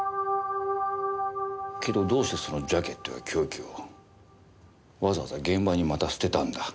けどどうしてそのジャケットや凶器をわざわざ現場にまた捨てたんだ？